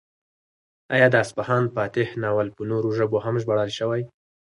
ایا د اصفهان فاتح ناول په نورو ژبو هم ژباړل شوی؟